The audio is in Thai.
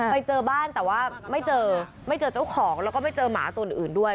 ไปเจอบ้านแต่ว่าไม่เจอไม่เจอเจ้าของแล้วก็ไม่เจอหมาตัวอื่นด้วย